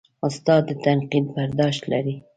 استاد د تنقید برداشت لري.